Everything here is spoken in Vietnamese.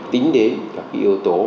tính đến các yếu tố